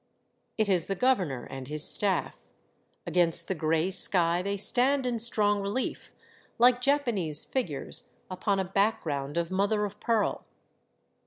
It is the governor and his staff; against the gray sky they stand in strong relief, like Japanese figures upon a background of mother of pearl.